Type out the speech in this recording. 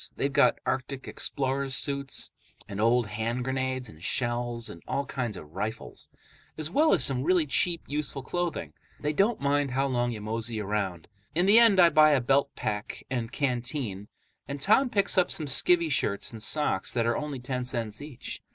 They've got arctic explorers' suits and old hand grenades and shells and all kinds of rifles, as well as some really cheap, useful clothing. They don't mind how long you mosey around. In the end I buy a belt pack and canteen, and Tom picks up some skivvy shirts and socks that are only ten cents each.